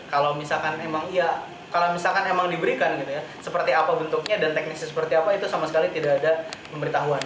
kalau misalkan emang iya kalau misalkan emang diberikan gitu ya seperti apa bentuknya dan teknisnya seperti apa itu sama sekali tidak ada pemberitahuan